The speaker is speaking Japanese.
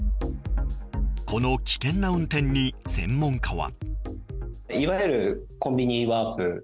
この危険な運転に専門家は。